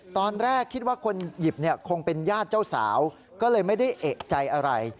ตอนแรกคิดว่าคนหยิบเนี่ยคงเป็นญาติเจ้าสาวก็เลยไม่ได้เอกใจอะไร